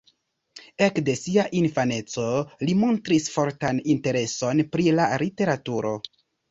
Ekde sia infaneco li montris fortan intereson pri la literaturo.